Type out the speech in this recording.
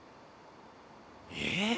えっ？